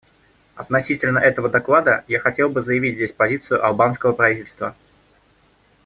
Относительно этого доклада я хотел бы заявить здесь позицию албанского правительства.